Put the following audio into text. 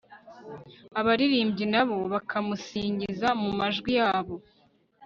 abaririmbyi na bo bakamusingiza mu majwi yabo